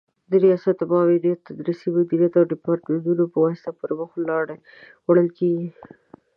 د ریاست، معاونیت، تدریسي مدیریت او دیپارتمنتونو په واسطه پر مخ وړل کیږي